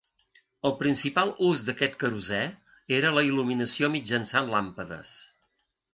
El principal ús d'aquest querosè era la il·luminació mitjançant làmpades.